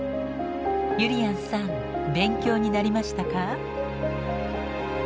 ゆりやんさん勉強になりましたか？